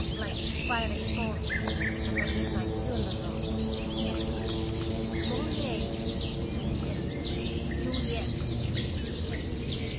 "Like expiring torches at a midnight fu neral," said he. " Moliere's !" I suggested. "Juliet's," he said.